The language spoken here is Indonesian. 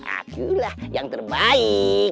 akulah yang terbaik